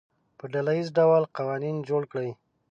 په ډله ییز ډول قوانین جوړ کړي.